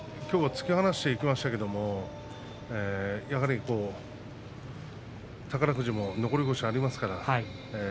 きょうは突き放していきましたけれどもやはり宝富士も残り腰がありますから